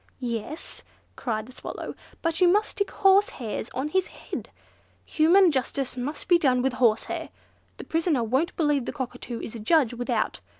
"Yes," cried the Swallow, "but you must stick horsehairs on his head. Human justice must be done with horsehair. The prisoner won't believe the Cockatoo is a judge without.